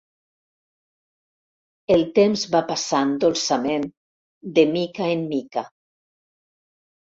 El temps va passant dolçament de mica en mica.